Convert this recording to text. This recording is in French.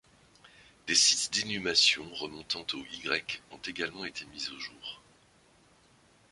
Des sites d'inhumation remontant au y ont également été mis au jour.